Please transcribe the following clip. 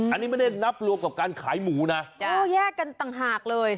อันนี้ไม่ได้นับรวมกับการขายหมูนะแยกกันต่างหากเลย